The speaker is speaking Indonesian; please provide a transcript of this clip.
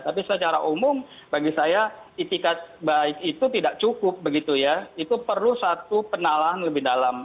tapi secara umum bagi saya itikat baik itu tidak cukup begitu ya itu perlu satu penalahan lebih dalam